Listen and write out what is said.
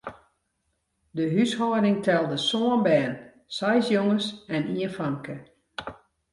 De húshâlding telde sân bern, seis jonges en ien famke.